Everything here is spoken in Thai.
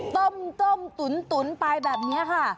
ต้มตุ๋นไปแบบนี้ค่ะ